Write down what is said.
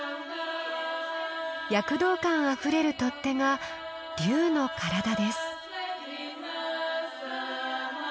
躍動感あふれる取っ手が竜の身体です。